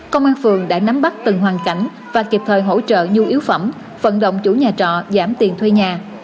công an phường đã nắm bắt từng hoàn cảnh và kịp thời hỗ trợ nhu yếu phẩm vận động chủ nhà trọ giảm tiền thuê nhà